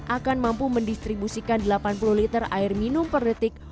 akan mampu mendistribusikan delapan puluh liter air minum per detik